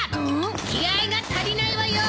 気合が足りないわよ！